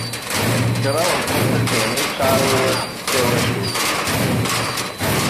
Kraḍ n tunṭiqin i yesɛa wawal "tawacult".